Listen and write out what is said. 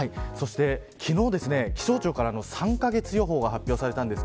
昨日気象庁が３カ月予報を発表しました。